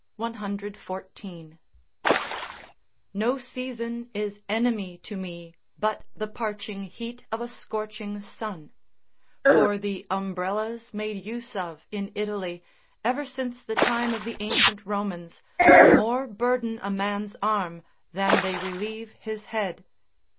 114.] No season is enemy to me but the parching heat of a scorching sun; for the umbrellas made use of in Italy, ever since the time of the ancient Romans, more burden a man's arm than they relieve his head.